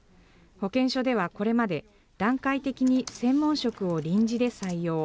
保健所ではこれまで段階的に専門職を臨時で採用。